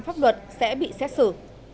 pháp luật sẽ bị xét xử